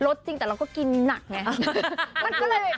จริงแต่เราก็กินหนักไง